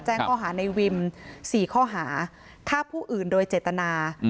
แจ้งข้อหาในวิม๔ข้อหาฆ่าผู้อื่นโดยเจตนา